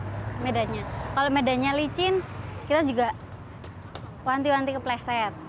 kalau medannya licin kita juga lanti lanti kepleset